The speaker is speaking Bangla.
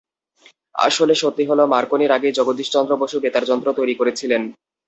আসল সত্যি হলো মার্কোনির আগেই জগদীশ চন্দ্র বসু বেতারযন্ত্র তৈরি করেছিলেন।